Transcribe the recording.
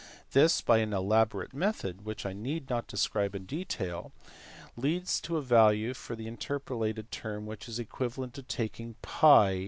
This, by an elaborate method, which I need not describe in detail, leads to a value for the interpolated term which is equivalent to taking 2.2.